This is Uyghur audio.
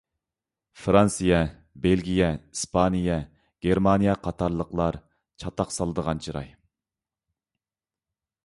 فىرانسىيە، بېلگىيە، ئىسپانىيە، گېرمانىيە قاتارلىقلار چاتاق سالىدىغان چىراي.